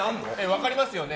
分かりますよね？